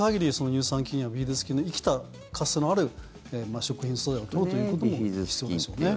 乳酸菌やビフィズス菌の生きた活性のある食品素材を取るということも必要でしょう。